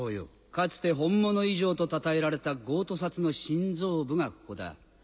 かつて本物以上とたたえられたゴート札の心臓部がここだ。